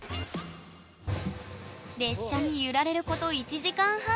列車に揺られること１時間半。